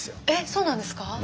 えっそうなんですか？